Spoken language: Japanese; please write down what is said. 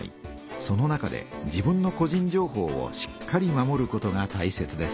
その中で自分の個人情報をしっかり守ることがたいせつです。